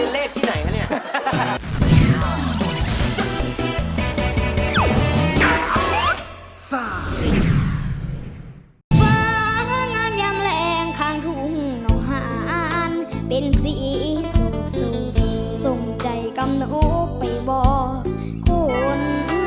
เหรอเดี๋ยวเล่นเลขที่ไหนแล้วเนี่ย